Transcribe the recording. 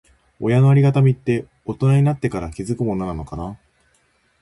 親のありがたみって、大人になってから気づくものなのかな。